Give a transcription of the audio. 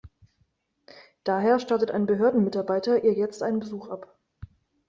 Daher stattet ein Behördenmitarbeiter ihr jetzt einen Besuch ab.